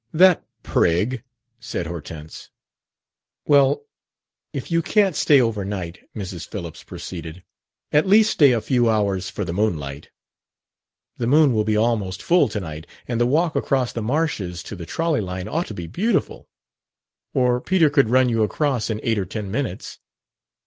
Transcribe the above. "That prig!" said Hortense. "Well, if you can't stay overnight," Mrs. Phillips proceeded, "at least stay a few hours for the moonlight. The moon will be almost full to night, and the walk across the marshes to the trolley line ought to be beautiful. Or Peter could run you across in eight or ten minutes."